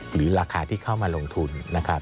หรือราคาที่เข้ามาลงทุนนะครับ